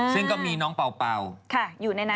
ซึ่งก็มีน้องเป่าครับอยู่ในนั้นด้วย